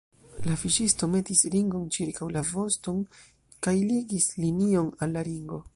La fiŝisto metis ringon ĉirkaŭ la voston, kaj ligis linion al la ringo.